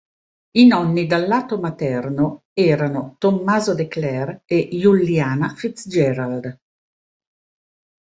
I nonni dal lato materno erano Tommaso de Clare e Juliana FitzGerald.